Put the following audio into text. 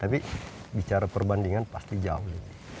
tapi bicara perbandingan pasti jauh